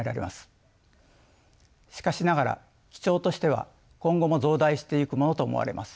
しかしながら基調としては今後も増大していくものと思われます。